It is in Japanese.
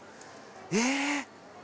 えっ！